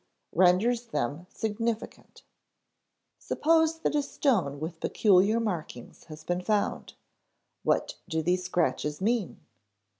_ renders them significant. (Compare above, p. 75.) Suppose that a stone with peculiar markings has been found. What do these scratches mean?